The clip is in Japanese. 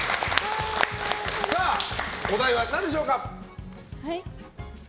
お題は何でしょうか。